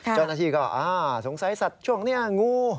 เจ้าหน้าที่ก็สงสัยสัตว์ช่วงนี้งู